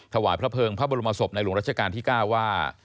ถวายพระเภิงพระบรมศพในหลวงรัชกาลที่๙ว่า